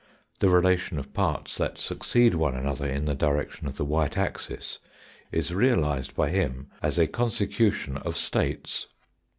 The relation of parts that succeed one another in the direction of the white axis is realised by him as a consecution of states.